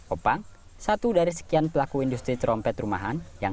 opang satu dari sekian pelaku industri trompet rumahan